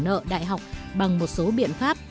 nợ đại học bằng một số biện pháp